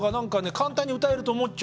簡単に歌えると思っちゃ。